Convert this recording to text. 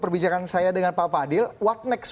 perbincangan saya dengan pak fadil what next